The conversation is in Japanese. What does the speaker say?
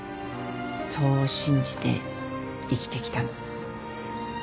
そう信じて生きてきたの。